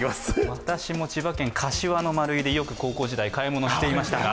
私も千葉県柏のマルイでよく高校時代、買い物していましたが。